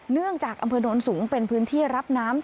เนื่องจากอำเภอโน้นสูงเป็นพื้นที่รับน้ำ